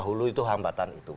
dahulu itu hambatan itu